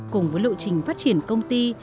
cùng với lộ trình phát triển công ty